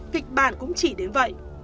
kịch bản cũng chỉ đến vậy